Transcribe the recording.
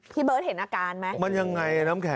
พี่เบิ้ลเห็นอาการไหม